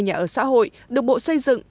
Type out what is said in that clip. nhà ở xã hội được bộ xây dựng